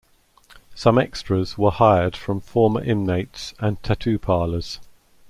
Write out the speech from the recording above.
Some extras were hired from former inmates and tattoo parlors.